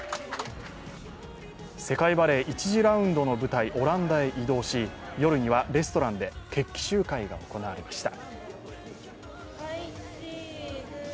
世界バレー１次ラウンドの舞台、オランダへ移動し、夜にはレストランで、決起集会が行われました。